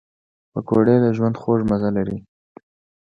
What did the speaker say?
پکورې د ژوند خوږ مزه لري